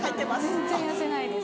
全然痩せないです。